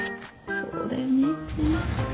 そうだよね。